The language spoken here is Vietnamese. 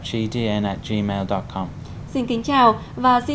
cảm ơn các bạn đã theo dõi và hẹn gặp lại